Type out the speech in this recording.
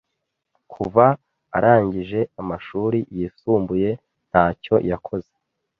Kuva arangije amashuri yisumbuye, ntacyo yakoze.